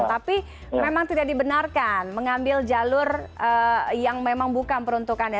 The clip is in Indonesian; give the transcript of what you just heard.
tapi memang tidak dibenarkan mengambil jalur yang memang bukan peruntukannya